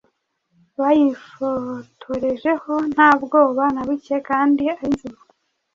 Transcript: Bayifotorejeho nta bwoba na buke kandi ari nzima